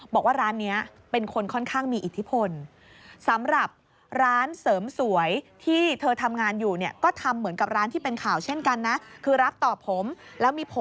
บอกว่าร้านนี้เป็นคนค่อนข้างมีอิทธิพล